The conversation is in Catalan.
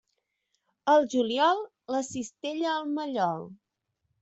Al juliol, la cistella al mallol.